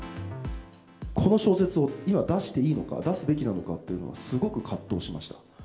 この小説を今出していいのか、出すべきなのかっていうのは、すごく葛藤しました。